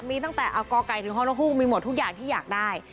มีตั้งแต่เอากไก่ถึงห้องนกฮูกมีหมดทุกอย่างที่อยากได้